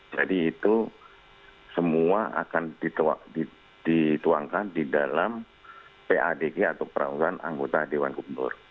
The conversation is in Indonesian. jadi itu semua akan dituangkan di dalam padg atau perangkat anggota dewan gubernur